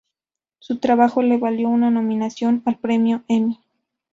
Su trabajo le valió una nominación al Premio Emmy.